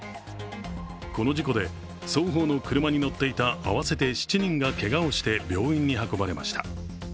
この事故で双方の車に乗っていた合わせて７人がけがをして病院に運ばれました。